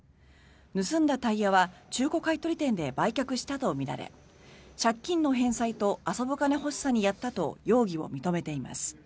盗んだタイヤは中古買い取り店で売却したとみられ借金の返済と遊ぶ金欲しさにやったと容疑を認めています。